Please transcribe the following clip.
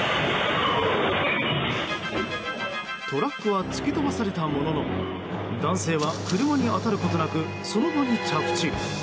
トラックは突き飛ばされたものの男性は車に当たることなくその場に着地。